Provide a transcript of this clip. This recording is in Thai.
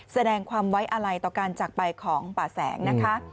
แสดงความไว้อะไรต่อการจากไปของป่าแสงนะคะ